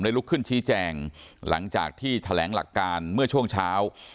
ลุกขึ้นชี้แจงหลังจากที่แถลงหลักการเมื่อช่วงเช้า